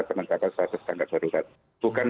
penentuan asas tanggap darurat bukan